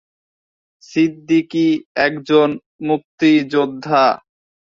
সিদ্দিকী একজন মুক্তিযোদ্ধা।